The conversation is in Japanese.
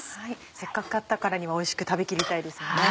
せっかく買ったからにはおいしく食べ切りたいですもんね。